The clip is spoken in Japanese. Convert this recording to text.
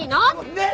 ねえ